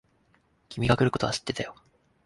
君が来ることは知ってたよ。